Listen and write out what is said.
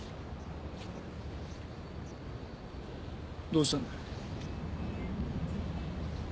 どうしたんだよ？